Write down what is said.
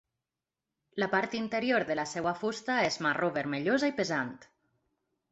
La part interior de la seva fusta és marró vermellosa i pesant.